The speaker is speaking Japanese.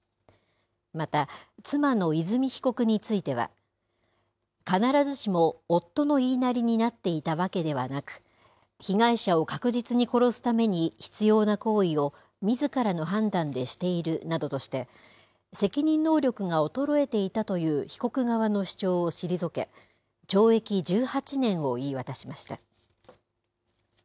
また妻の和美被告については、必ずしも夫の言いなりになっていたわけではなく、被害者を確実に殺すために必要な行為をみずからの判断でしているなどとして、責任能力が衰えていたという被告側の主張を退け、懲役１８年を言い渡しました。